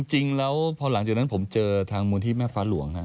จริงแล้วพอหลังจากนั้นผมเจอทางมูลที่แม่ฟ้าหลวง